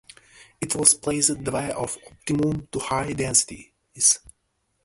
It was placed dry of optimum to high densities.